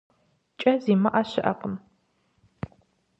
КӀэ зимыӀэ щыӀэкъым.